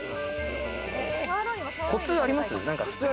コツはあります？